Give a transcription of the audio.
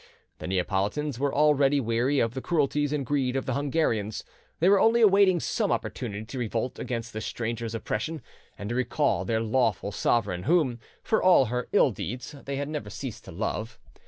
The Neapolitans were already weary of the cruelties and greed of the Hungarians, they were only awaiting some opportunity to revolt against the stranger's oppression, and to recall their lawful sovereign, whom, for all her ill deeds, they had never ceased to love.